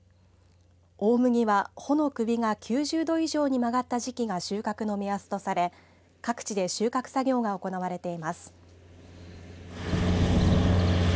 大麦は、穂の首が９０度以上に曲がった時期が収穫の目安とされ各地で収穫作業が行われています。